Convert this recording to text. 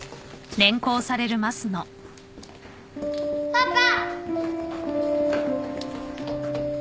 ・パパ！